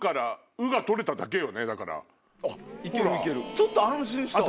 ちょっと安心したわ。